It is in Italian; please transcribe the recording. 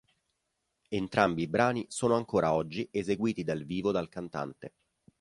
Entrambi i brani sono ancora oggi eseguiti dal vivo dal cantante.